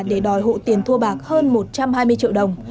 để đòi hộ tiền thu bạc hơn một trăm hai mươi triệu đồng